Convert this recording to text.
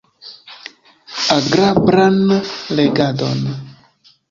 Agrablan legadon!